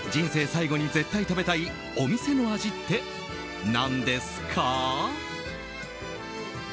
最後に絶対食べたいお店の味って何ですか？